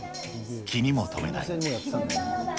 気にも留めない。